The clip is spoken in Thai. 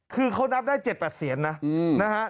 คือเขานับได้๗๘เสียงนะนะฮะ